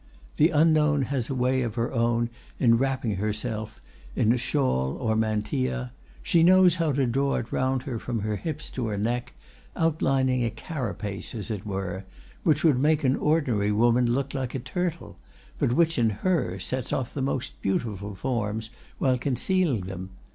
The Unknown has a way of her own in wrapping herself in her shawl or mantilla; she knows how to draw it round her from her hips to her neck, outlining a carapace, as it were, which would make an ordinary woman look like a turtle, but which in her sets off the most beautiful forms while concealing them.